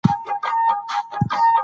د مشرانو سپکاوی د قوم سپکاوی دی.